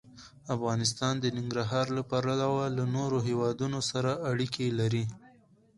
افغانستان د ننګرهار له پلوه له نورو هېوادونو سره اړیکې لري.